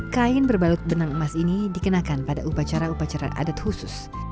kain berbalut benang emas ini dikenakan pada upacara upacara adat khusus